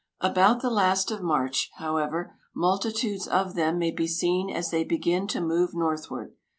About the last of March, however, multitudes of them may be seen as they begin to move northward.